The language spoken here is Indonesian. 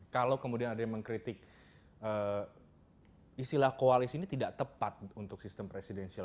kalau kemudian ada yang mengkritik istilah koalisi ini tidak tepat untuk sistem presidensial